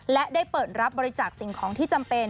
และได้เปิดรับบริจาคสิ่งของที่จำเป็น